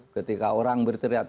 ketika orang berteriak